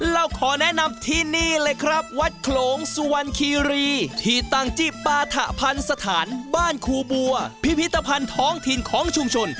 เราขอแนะนำที่นี่เลยครับวัดโขลงสุวรรณคีรีที่ตั้งจีบปาถะพันธ์สถานบ้านครูบัวพิพิธภัณฑ์ท้องถิ่นของชุมชน